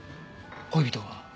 恋人は？